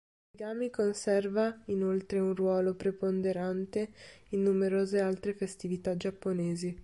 L'origami conserva inoltre un ruolo preponderante in numerose altre festività giapponesi.